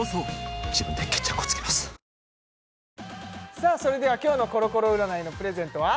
さあそれでは今日のコロコロ占いのプレゼントは？